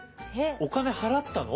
お金払ったの！？